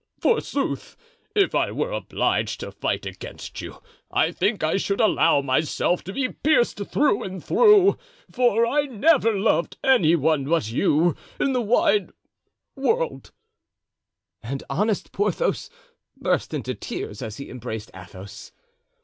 Forsooth! If I were obliged to fight against you, I think I should allow myself to be pierced through and through, for I never loved any one but you in the wide world;" and honest Porthos burst into tears as he embraced Athos.